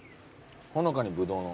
ほのかにブドウの。